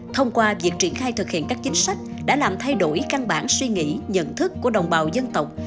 thông qua việc triển khai thực hiện các chính sách đã làm thay đổi căn bản suy nghĩ nhận thức của đồng bào dân tộc